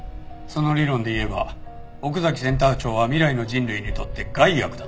その理論でいえば奥崎センター長は未来の人類にとって害悪だった。